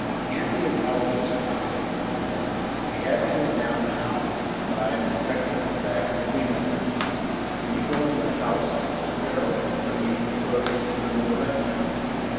"Auntie is out just now," said the girl; "she had to go down town, but I am expecting her back every minute. Will you go into the house, Mr. Darrell, or do you prefer a seat on the veranda?"